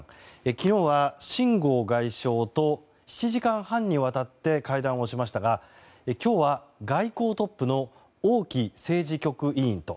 昨日はシン・ゴウ外相と７時間半にわたって会談をしましたが今日は、外交トップの王毅政治局委員と。